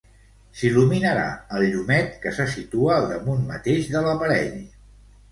S'il·luminarà el llumet que se situa al damunt mateix de l'aparell.